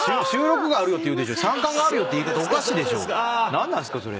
何なんすかそれ。